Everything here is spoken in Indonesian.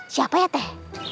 siapa ya teh